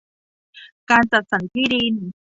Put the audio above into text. การจัดสรรที่ดิน